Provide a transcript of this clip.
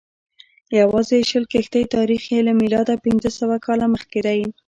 یوازې شل کښتۍ تاریخ یې له میلاده پنځه سوه کاله مخکې دی.